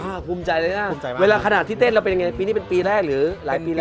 ภูมิใจเลยนะภูมิใจมากเวลาขนาดที่เต้นเราเป็นยังไงปีนี้เป็นปีแรกหรือหลายปีแล้ว